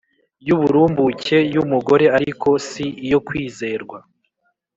y’uburumbuke yu mugore ariko si iyo kwizerwa